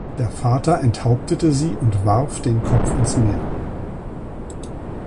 Der Vater enthauptete sie und warf den Kopf ins Meer.